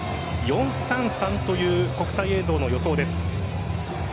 ４−３−３という国際映像の予想です。